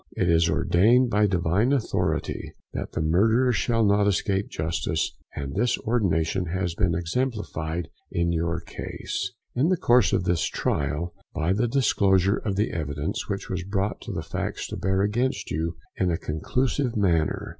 It is ordained by divine authority that the murderer shall not escape justice, and this ordination has been exemplified in your case, in the course of this trial, by the disclosure of evidence which has brought the facts to bear against you in a conclusive manner.